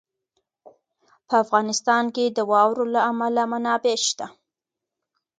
په افغانستان کې د واورو له امله منابع شته.